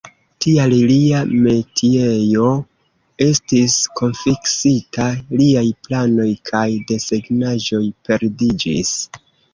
Tial lia metiejo estis konfiskita; liaj planoj kaj desegnaĵoj perdiĝis.